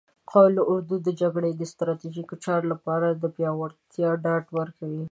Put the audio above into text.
قول اردو د جګړې د ستراتیژیکو چارو لپاره د پیاوړتیا ډاډ ورکوي.